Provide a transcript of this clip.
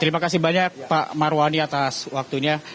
terima kasih banyak pak marwani atas waktunya